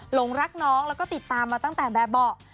หลงรักน้องแล้วก็ติดตามมาตั้งแต่แบบเบาะ